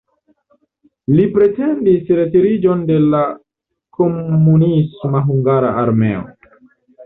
Li pretendis retiriĝon de la komunisma hungara armeo.